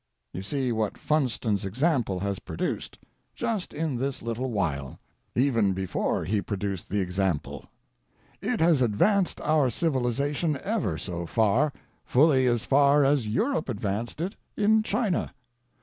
You see what Funstoirs example has produced, just in this (524 THE NORTH AMERICAN REVIEW. little while — even before he produced the example. It has ad vanced our Civilization ever so far — fully as far as Europe ad vanced it in China.